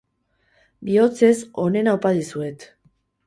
Bihotzez, onena opa dizuet.